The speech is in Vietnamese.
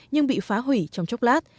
nhưng bị phá hủy trong chốc lát